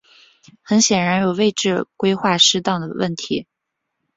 很显然有位置规划失当的问题。